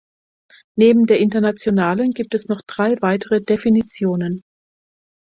Neben der Internationalen gibt es noch drei weitere Definitionen.